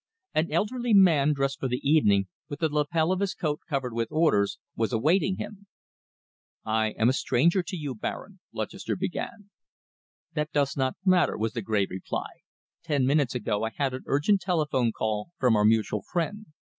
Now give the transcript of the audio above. An elderly man, dressed for the evening, with the lapel of his coat covered with orders, was awaiting him. "I am a stranger to you, Baron," Lutchester began. "That does not matter," was the grave reply. "Ten minutes ago I had an urgent telephone call from our mutual friend.